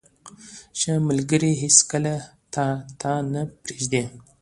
• ښه ملګری هیڅکله تا نه پرېږدي.